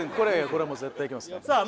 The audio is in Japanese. これはもう絶対いきますさあ